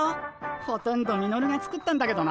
ほとんどミノルが作ったんだけどな。